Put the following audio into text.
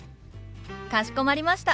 かしこまりました。